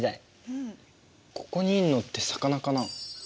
ここにいるのって魚かな？